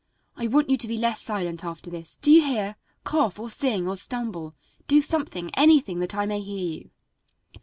I want you to be less silent after this. Do you hear? Cough, or sing, or stumble; do something, anything, that I may hear you."